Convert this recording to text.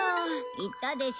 言ったでしょ？